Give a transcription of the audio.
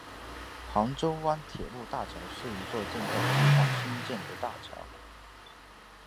杭州湾铁路大桥是一座正在计划兴建的大桥。